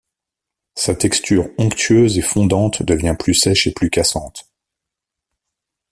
Sa texture onctueuse et fondante devient plus sèche et plus cassante.